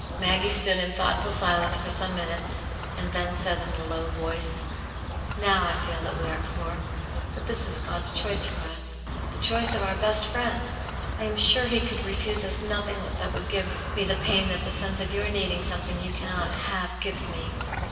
Maggie stood in thoughtful silence for some minutes, and then said in a low voice, ''JV{?w I feel that we ate poot» "fiAaX^Jaisu God's _. .4. Aunt yanis Hero. 18 1 choice for us ; the choice of our best Friend. I am sure He could refuse us nothing that would give^me the pain that the sense of your needing something you cannot have gives me."